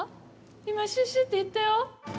今、シュッシュッていったよ。